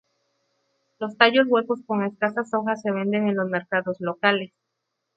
Los tallos huecos con escasas hojas se venden en los mercados locales.